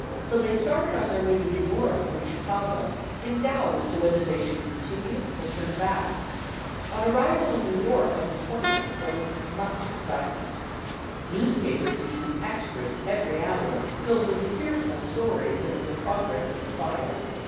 So they started on their way to New York from Chicago in doubt as to whether they should continue or turn back. On arrival in New York on the 20th there was much excitement. Newspapers issued extras every hour, filled with fearful stories and of the progress of the fire.